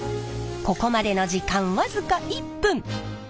ここまでの時間僅か１分！